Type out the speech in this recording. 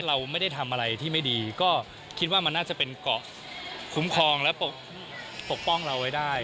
เราไม่ได้ทำอะไรที่ไม่ดีก็คิดว่ามันน่าจะเป็นเกาะคุ้มครองและปกป้องเราไว้ได้